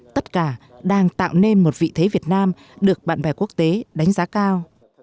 tất cả đang tạo nên một vị thế việt nam được bạn bè quốc tế đánh giá cao